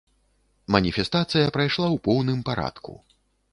Маніфестацыя прайшла ў поўным парадку.